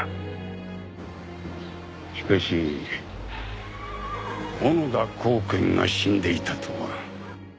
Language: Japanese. しかし小野田公顕が死んでいたとは。